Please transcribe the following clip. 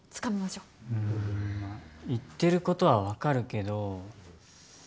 うん言ってることはわかるけど。